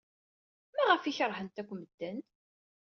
Maɣef ay keṛhent akk medden?